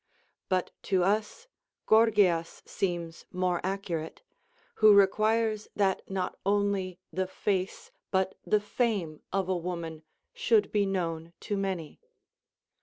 But to us Gorgias seems more accurate, who requires that not only the face but the fame of a woman should be known to many.